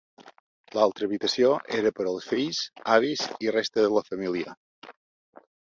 L'altra habitació era per als fills, avis i resta de la família.